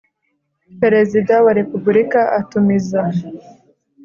Perezida wa repubulika atumiza